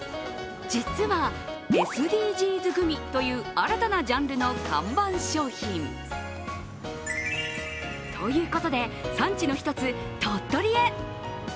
実は、ＳＤＧｓグミという新たなジャンルの看板商品。ということで産地の１つ鳥取へ。